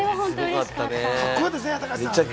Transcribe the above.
かっこよかったですね、高橋さん。